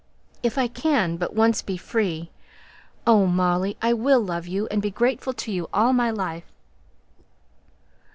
If I can but once be free oh, Molly, I will love you, and be grateful to you all my life!"